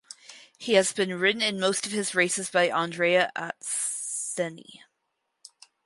He has been ridden in most of his races by Andrea Atzeni.